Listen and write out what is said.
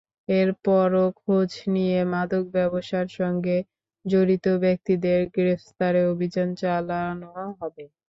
এরপরও খোঁজ নিয়ে মাদক ব্যবসার সঙ্গে জড়িত ব্যক্তিদের গ্রেপ্তারে অভিযান চালানো হবে।